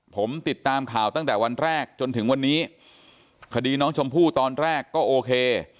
ผมติดตามข่าวตั้งแต่วันแรกจนถึงวันนี้คดีน้องชมพู่ตอนแรกก็โอเค